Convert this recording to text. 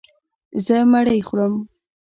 زه مړۍ خورم.